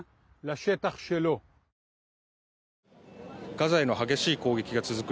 ガザへの激しい攻撃が続く